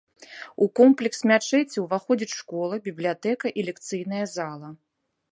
У комплекс мячэці ўваходзіць школа, бібліятэка, і лекцыйная зала.